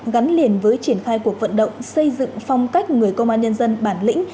gắn liền với triển khai cuộc vận động xây dựng phong cách người công an nhân dân bản lĩnh